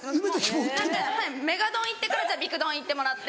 メガドン行ってからじゃあびくドン行ってもらって。